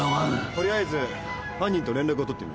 とりあえず犯人と連絡を取ってみます。